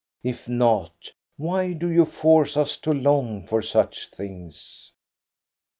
If not, why do you force us to long for such things?